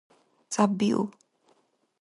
ЦӀяббиуб.